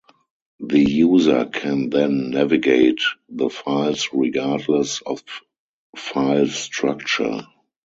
The user can then navigate the files regardless of file structure.